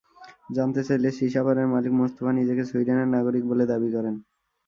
জানতে চাইলে সিসা বারের মালিক মোস্তফা নিজেকে সুইডেনের নাগরিক বলে দাবি করেন।